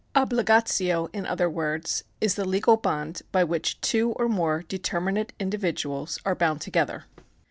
Ohligatio, in other words, is the legal bond by which two or more determinate individuals are bound together.